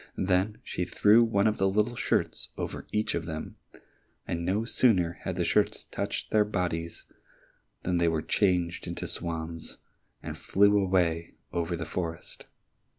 Then she threw one of the little shirts over each of them, and no sooner had the shirts touched their bodies than they were changed into swans, and flew away over the forest.